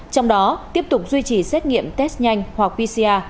trong đó tiếp tục duy trì xét nghiệm test nhanh hoặc pcr